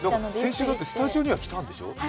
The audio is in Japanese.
先週だってスタジオには来たんでしょ？